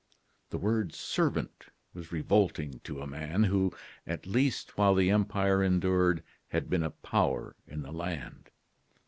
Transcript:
The word "servant" was revolting to a man, who, at least, while the empire endured, had been a power in the land.